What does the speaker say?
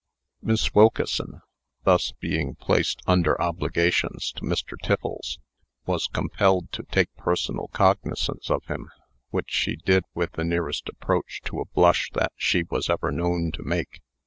Miss Wilkeson, thus being placed under obligations to Mr. Tiffles, was compelled to take personal cognizance of him, which she did with the nearest approach to a blush that she was ever known to make.